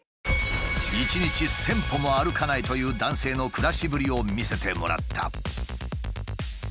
１日１，０００歩も歩かないという男性の暮らしぶりを見せてもらった。